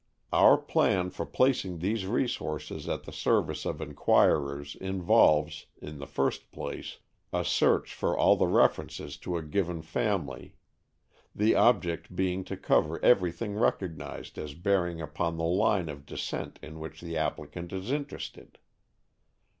Our plan for placing these resources at the service of inquirers involves, in the first place, a search for all the references to a given family, the object being to cover everything recognized as bearing upon the line of descent in which the applicant is interested.